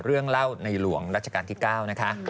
เรื่องเล่าในหลวงรัชกาลที่๙นะคะ